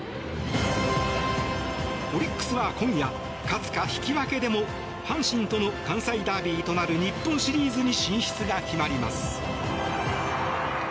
オリックスは今夜勝つか引き分けでも阪神との関西ダービーとなる日本シリーズに進出が決まります。